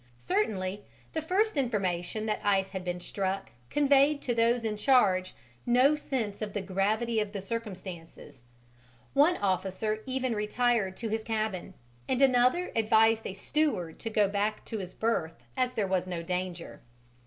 Certainly the first information that ice had been struck conveyed to those in charge no sense of the gravity of the circumstances: one officer even retired to his cabin and another advised a steward to go back to his berth as there was no danger.